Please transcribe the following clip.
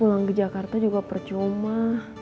pulang ke jakarta juga percuma